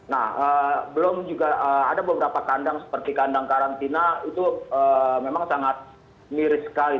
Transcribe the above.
nah belum juga ada beberapa kandang seperti kandang karantina itu memang sangat mirip sekali